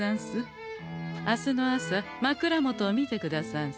明日の朝枕元を見てくださんせ。